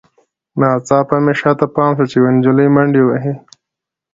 ناڅاپه مې شاته پام شو چې یوه نجلۍ منډې وهي